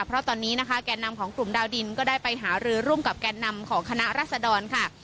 เพราะตอนนี้นะคะแก่นำของกลุ่มดาวดินก็ได้ไปหารือร่วมกับแก่นำของคณะรัศดรค่ะ